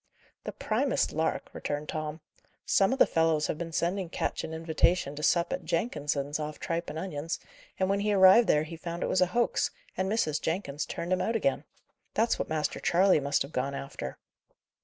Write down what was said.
"The primest lark," returned Tom. "Some of the fellows have been sending Ketch an invitation to sup at Jenkins's off tripe and onions, and when he arrived there he found it was a hoax, and Mrs. Jenkins turned him out again. That's what Master Charley must have gone after."